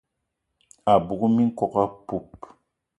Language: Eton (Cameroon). A bug minkok apoup